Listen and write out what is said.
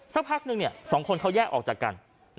สักพักนึงเนี่ยสองคนเขาแยกออกจากกัน